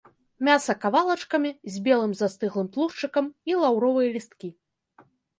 Мяса кавалачкамі, з белым застыглым тлушчыкам, і лаўровыя лісткі.